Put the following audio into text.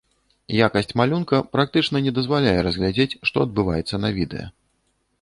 Якасць малюнка практычна не дазваляе разглядзець, што адбываецца на відэа.